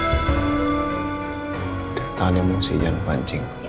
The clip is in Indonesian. udah tangan emosi jangan pancing